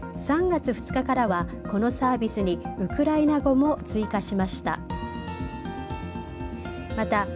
３月２日からはこのサービスにウクライナ語も追加しました。